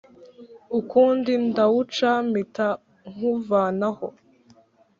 ukundi ndawuca mpita nkuvanaho